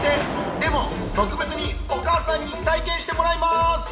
でも特別にお母さんに体験してもらいます！